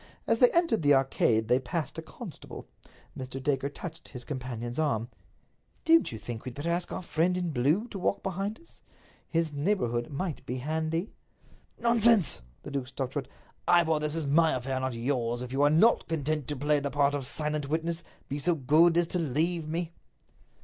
As they entered the Arcade they passed a constable. Mr. Dacre touched his companion's arm. "Don't you think we'd better ask our friend in blue to walk behind us? His neighborhood might be handy." "Nonsense!" The duke stopped short. "Ivor, this is my affair, not yours. If you are not content to play the part of silent witness, be so good as to leave me."